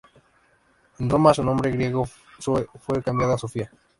En Roma su nombre griego Zoe fue cambiado a Sofía.